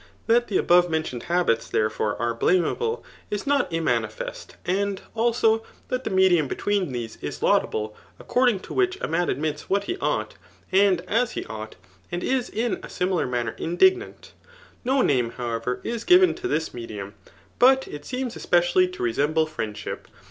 That the afaoive mcfttboed haUts, therefore, are bhmeaUe, is not imma* niCsstj; and, also, tiiuit the medium Ixtween theae is JaudaUe, according to which a man admits what he eng^ and at he ought, and is in s similar, mmmer indignuUL No4iami^ however, is given to this medium; but itaetes ^ei^MdaUy to msemUe friendship.